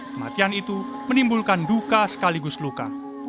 kematian itu menimbulkan duka sekaligus luka